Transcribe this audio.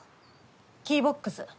キーボックス。